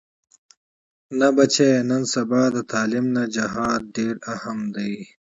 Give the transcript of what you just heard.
نه بچيه نن سبا د تعليم نه جهاد ډېر اهم دې.